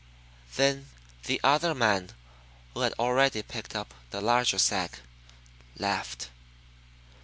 "Then the other man who had already picked up the larger sack, laughed.